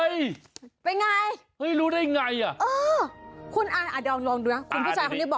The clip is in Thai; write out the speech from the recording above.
อีกหนึ่งเรื่องมันก็จะรู้ว่าแมวมันมีสัญชาติยันความไวตนั้น